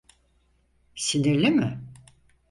Sinirli mi?